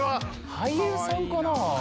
俳優さんかな？